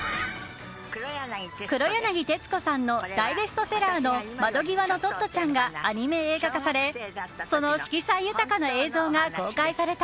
黒柳徹子さんの大ベストセラーの「窓ぎわのトットちゃん」がアニメ映画化されその色彩豊かな映像が公開された。